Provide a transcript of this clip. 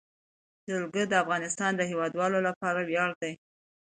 جلګه د افغانستان د هیوادوالو لپاره ویاړ دی.